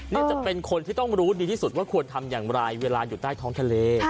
นี่จะเป็นคนที่ต้องรู้ดีที่สุดว่าควรทำอย่างไรเวลาอยู่ใต้ท้องทะเล